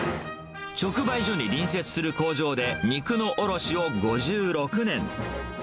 直売所に隣接する工場で、肉の卸を５６年。